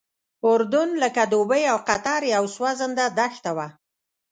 اردن لکه دوبۍ او قطر یوه سوځنده دښته وه.